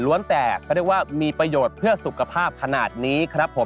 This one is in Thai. ฤ้าแต่ที่เขาว่ามีประโยชน์เพื่อสุขภาพขนาดนี้ครับผม